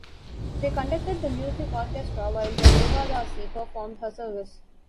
They conducted the music orchestra while the devadasi performed her service.